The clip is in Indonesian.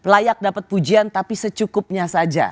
layak dapat pujian tapi secukupnya saja